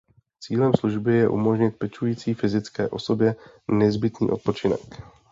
Cílem služby je umožnit pečující fyzické osobě nezbytný odpočinek.